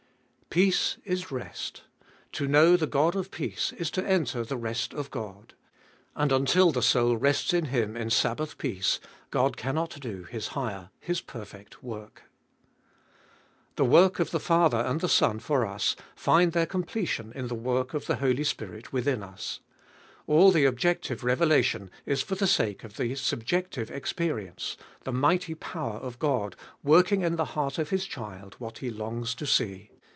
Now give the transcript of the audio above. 1. Peace Is rest. To know the God of peace Is to enter the rest of God. And until the soul rests in Him In Sabbath peace, God cannot do His higher, His perfect worh. 2. The worh of the Father and the Son for us find their completion in the worh of the Holy Spirit within us. All the objective revelation is for the sahe of the subjective experience, the mighty power of God working in the heart of His child what He longs to see.